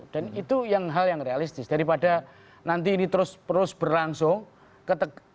dan itu yang hal yang realistis daripada nanti ini terus berlangsung